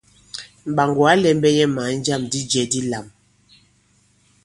Mɓàŋgò ǎ lɛ̄mbɛ̄ nyɛ̄ mǎn jâm di jɛ̄ dilām.